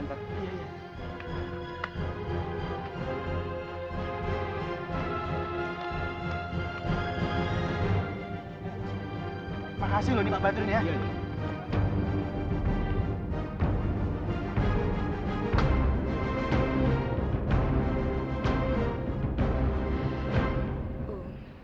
makasih lo nih pak badri ya